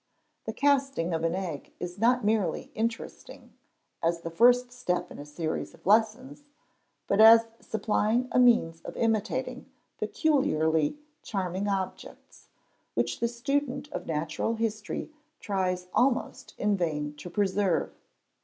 The casting of an egg is not merely interesting as the first step in a series of lessons, but as supplying a means of imitating peculiarly charming objects, which the student of natural history tries almost in vain to preserve.